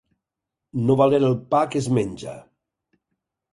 No valer el pa que es menja.